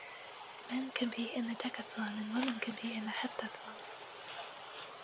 Men compete in the decathlon and women compete in the heptathlon.